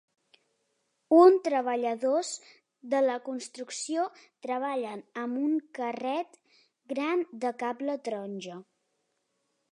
Un treballadors de la construcció treballen amb un carret gran de cable taronja.